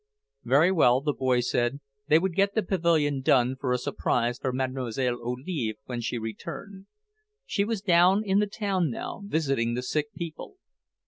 Very well, the boy said, they would get the pavilion done for a surprise for Mlle. Olive when she returned. She was down in the town now, visiting the sick people.